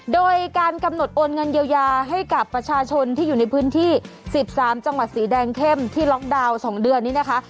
โดยการกำหนดโอนเงินเยียวยาให้กับประชาชนที่อยู่ในพื้นที่๑๓จังหวัดสีแดงเข้มที่ล็อกดาวน์๒เดือนนี้นะคะ